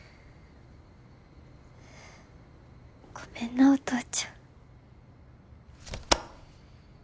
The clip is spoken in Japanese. ごめんなお父ちゃん。